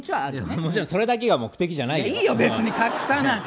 もちろんそれだけが目的じゃないよ。